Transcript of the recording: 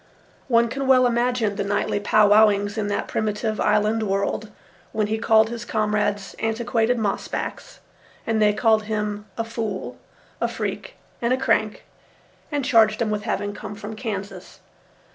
One can well imagine the nightly pow wow ings in that primitive island world, when he called his comrades antiquated moss backs, and they called him a fool, a freak, and a crank, and charged him with having come from Kansas.